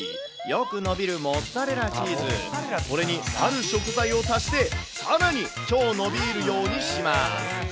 よくのびるモツァレラチーズ、これにある食材を足して、さらに超のびーるようにします。